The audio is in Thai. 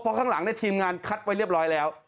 เพราะข้างหลังทีมงานคัดไว้เรียบร้อยแล้ว